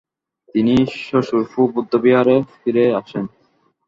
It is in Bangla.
তিনি ম্ত্শুর-ফু বৌদ্ধবিহারে ফিরে আসেন।